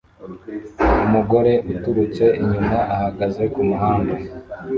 Umugore uturutse inyuma ahagaze kumuhanda